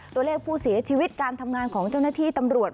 ตัวเลขผู้เสียชีวิตการทำงานของเจ้าหน้าที่ตำรวจ